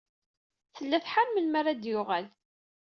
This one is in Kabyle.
Tella tḥar melmi ara d-yuɣal.